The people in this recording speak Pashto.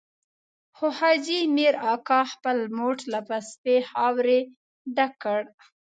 خو حاجي مير اکا خپل موټ له پستې خاورې ډک کړ.